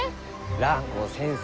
蘭光先生